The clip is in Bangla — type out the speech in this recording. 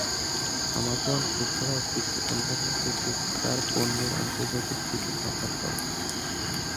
আমাজন এছাড়াও কিছু অন্যান্য দেশে তার পণ্যের আন্তর্জাতিক শিপিং অফার করে।